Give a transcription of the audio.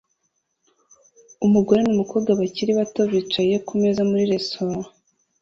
Umugore numukobwa bakiri bato bicaye kumeza muri resitora